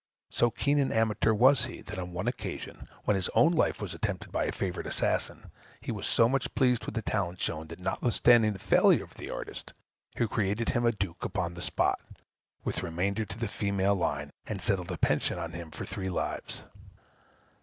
So keen an amateur was he, that on one occasion, when his own life was attempted by a favorite assassin, he was so much pleased with the talent shown, that notwithstanding the failure of the artist, he created him a duke upon the spot, with remainder to the female line, and settled a pension on him for three lives.